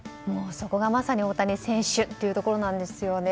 そこがまさに大谷選手というところなんですよね。